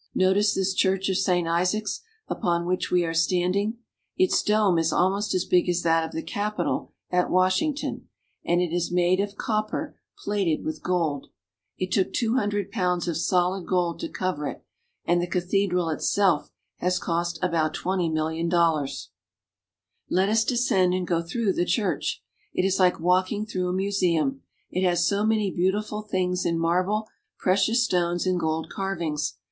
Notice this church of Saint Isaac's, upon which we are standing. Its dome is almost as big as that of the Capitol at Washington; and it is made of copper, plated with gold. It took two hundred pounds of solid gold to cover it, and the cathedral itself has cost about twenty million dollars. " Now let your eyes run along the Nevski Prospekt." Let us descend and go through the church. It is like walking through a museum, it has so many beautiful things in marble, precious stones, and gold carvings.